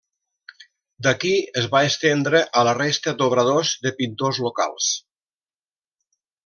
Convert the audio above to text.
D'aquí es va estendre a la resta d'obradors de pintors locals.